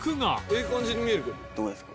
「ええ感じに見えるけど」